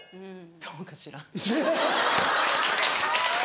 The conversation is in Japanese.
どうかしら。